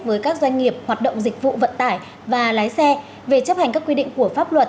với các doanh nghiệp hoạt động dịch vụ vận tải và lái xe về chấp hành các quy định của pháp luật